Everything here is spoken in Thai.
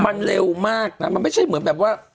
มันเร็วมากนะมันไม่ใช่เหมือนแบบว่า